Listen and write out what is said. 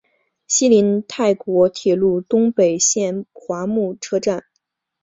西邻泰国铁路东北线华目车站。